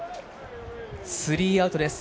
スリーアウトです。